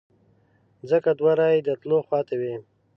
ځکه دوه رایې د تلو خواته وې.